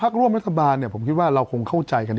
ร่วมรัฐบาลผมคิดว่าเราคงเข้าใจกันดี